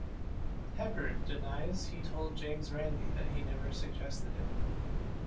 Heberd denies he told James Randi that he never suggested it.